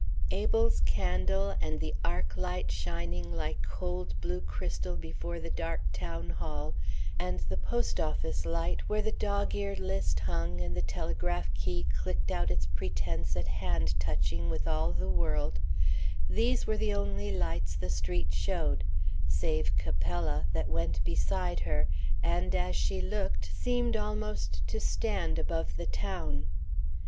Abel's candle, and the arc light shining like cold blue crystal before the dark Town Hall, and the post office light where the dog eared list hung and the telegraph key clicked out its pretence at hand touching with all the world, these were the only lights the street showed save Capella, that went beside her and, as she looked, seemed almost to stand above the town.